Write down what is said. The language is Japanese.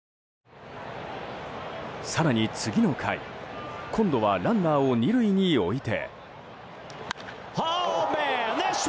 更に次の回今度はランナーを２塁に置いて。